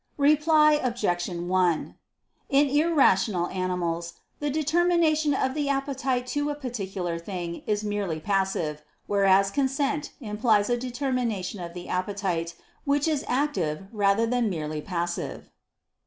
Reply Obj. 1: In irrational animals the determination of the appetite to a particular thing is merely passive: whereas consent implies a determination of the appetite, which is active rather than merely passive.